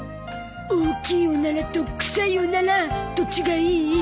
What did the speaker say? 大きいオナラとくさいオナラどっちがいい？